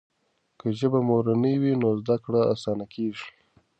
که ژبه مورنۍ وي نو زده کړه اسانه کېږي.